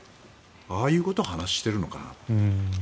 ああいうことを話しているのかと。